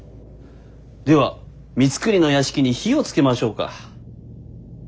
では光圀の屋敷に火を付けましょうか？